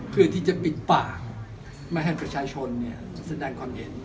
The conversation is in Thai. เพื่อที่จะปิดปาก